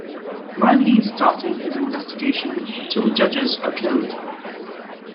While he is starting his investigation, two judges are killed.